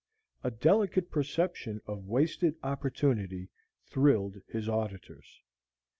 A delicate perception of wasted opportunity thrilled his auditors.